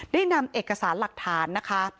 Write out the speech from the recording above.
ได้นำเอกสารหลักฐานนะคะ